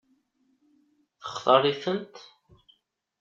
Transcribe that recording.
Textaṛ-itent?